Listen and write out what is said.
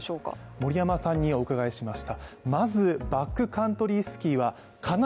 森山さんに伺いました。